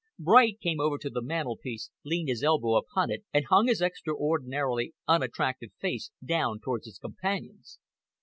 Bright came over to the mantelpiece, leaned his elbow upon it, and hung his extraordinarily unattractive face down towards his companion's.